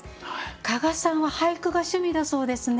加賀さんは俳句が趣味だそうですね。